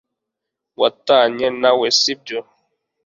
watanye nawe, sibyo